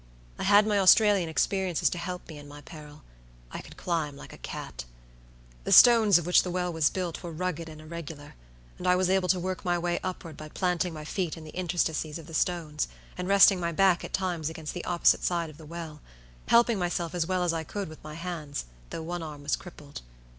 I had my Australian experiences to help me in my peril; I could climb like a cat. The stones of which the well was built were rugged and irregular, and I was able to work my way upward by planting my feet in the interstices of the stones, and resting my back at times against the opposite side of the well, helping myself as well as I could with my hands, though one arm was crippled.